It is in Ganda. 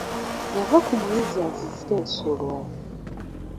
Yava ku muyizzi azize ensolo.